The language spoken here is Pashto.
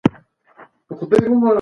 د نخلو او خجورو ونې خورا مهمې دي.